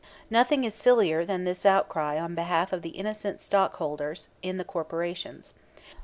Nothing is sillier than this outcry on behalf of the "innocent stockholders" in the corporations.